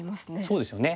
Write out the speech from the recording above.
そうですよね。